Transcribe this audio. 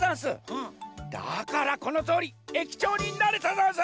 だからこのとおり駅長になれたざんす！